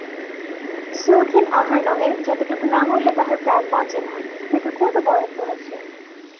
শৌখিন আহার নহে–যতটুকু না হইলে তাহার প্রাণ বাঁচে না, সেটুকুও তো বরাদ্দ আছে।